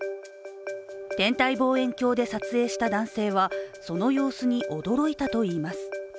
天体望遠鏡で撮影した男性はその様子に驚いたといいます。